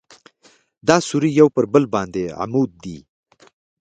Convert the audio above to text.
دا سوري یو پر بل باندې عمود دي.